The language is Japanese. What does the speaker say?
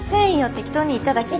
適当に言っただけです。